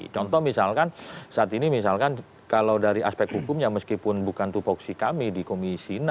contoh misalkan saat ini misalkan kalau dari aspek hukumnya meskipun bukan tupoksi kami di komisi enam